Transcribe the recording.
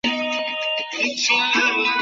অবসরের ঠিক আগে এমন সুযোগ কেউই পায় না।